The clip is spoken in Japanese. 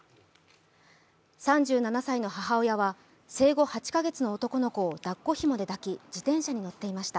３７歳の母親は生後８カ月の男の子をだっこひもで抱き、自転車に乗っていました。